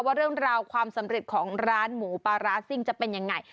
ว่าเรื่องราวความสำเร็จของร้านหมูปลาร้าซิ่งจะเป็นยังไง